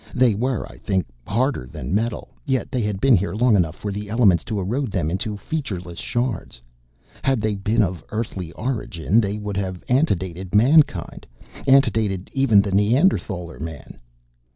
They were, I think, harder than metal, yet they had been here long enough for the elements to erode them into featureless shards. Had they been of earthly origin they would have antedated Mankind antedated even the Neanderthaler man.